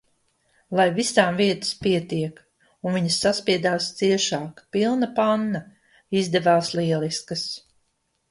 Lai visām vietas pietiek! Un viņas saspiedās ciešāk, pilna panna. Izdevās lieliskas.